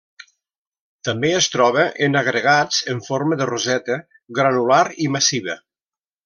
També es troba en agregats en forma de roseta, granular i massiva.